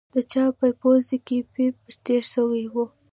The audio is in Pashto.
د چا په پوزه کښې پيپ تېر سوى و.